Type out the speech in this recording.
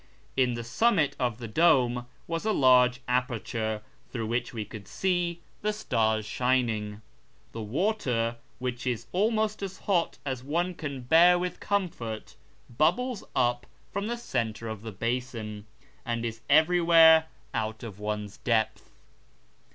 In the summit of the dome was a large aperture through which we could see the stars shining. The water, which is almost as hot as one can bear with comfort, bubbles up from the centre of the basin, and is everywhere out of one's depth.